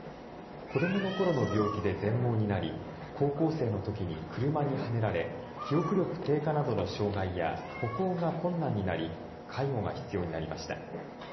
子どものころの病気で全盲になり、高校生のときに車にはねられ、記憶力低下などの障害や歩行が困難になり、介護が必要になりました。